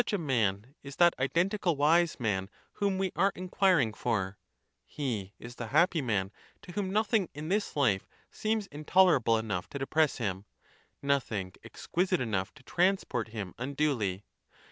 a man is that identical wise man whom we are inquiring for: he is the happy man, to whom nothing in this life seems in tolerable enough to depress him; nothing exquisite enough to transport him unduly.